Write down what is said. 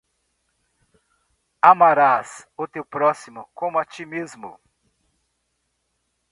Amarás o teu próximo como a ti mesmo.